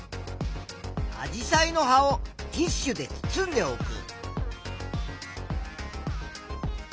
アジサイの葉をティッシュで包んでおく。